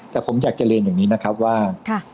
แต่ผมอยากจะเรียนอย่างนี้นะครับว่า